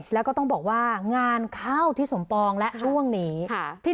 แล้วก็ต้องบอกว่างานเข้าทิศสมปองและช่วงนี้